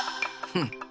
うん？